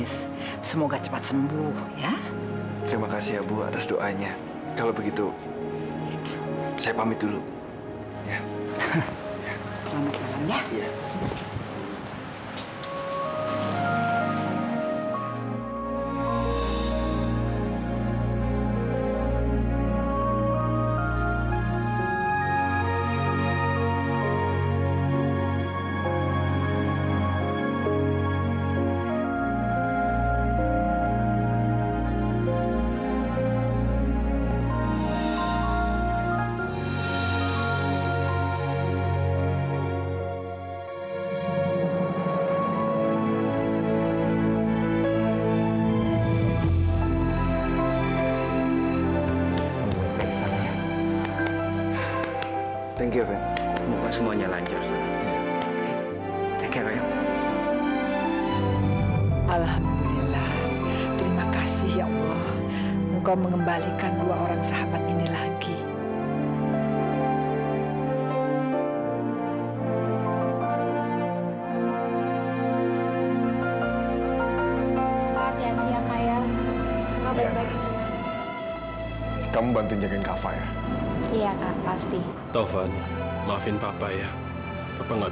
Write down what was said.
sampai jumpa di video selanjutnya